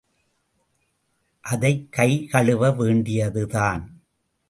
அதைக் கை கழுவ வேண்டியதுதான்.